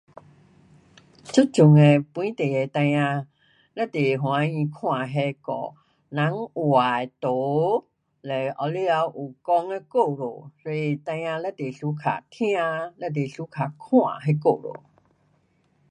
这阵的本地的孩儿非常欢喜看那些那个人画的图，嘞下面头有讲的故事，所以孩儿非常 suka 听，非常 suka 看那故事。